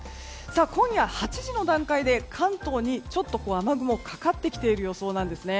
今夜８時の段階で関東にちょっと雨雲がかかっていている予想なんです。